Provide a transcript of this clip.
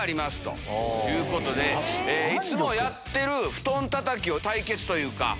いつもやってる布団たたきの対決というか。